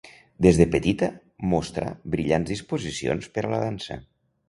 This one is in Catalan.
Des de petita mostrà brillants disposicions per a la dansa.